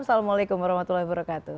assalamualaikum warahmatullahi wabarakatuh